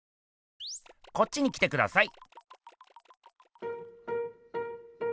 こっちに来てください。